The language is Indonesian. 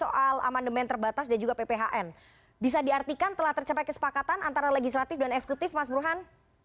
soal amandemen terbatas dan juga pphn bisa diartikan telah tercapai kesepakatan antara legislatif dan eksekutif mas burhan